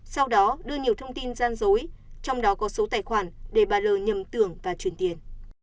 sau đó đưa nhiều thông tin gian dối trong đó có số tài khoản để bà lầm tưởng và truyền tiền